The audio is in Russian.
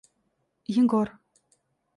Егор